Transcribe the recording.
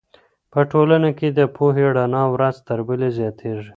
په ټولنه کې د پوهې رڼا ورځ تر بلې زیاتېږي.